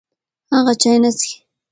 هغه چای نه څښي.